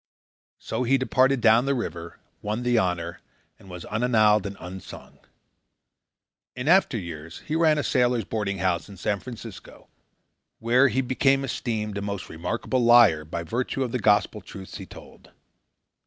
So he departed down the river, won the honour, and was unannaled and unsung. In after years he ran a sailors' boarding house in San Francisco, where he became esteemed a most remarkable liar by virtue of the gospel truths he told.